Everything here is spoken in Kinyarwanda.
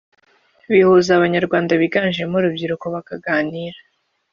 Bihuza abanyarwanda biganjemo urubyiruko bakaganira